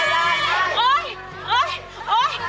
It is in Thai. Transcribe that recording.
โอ๊ยโอ๊ยโอ๊ย